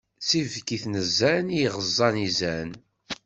D tibkit n zzan, i yeɣeẓẓen izan.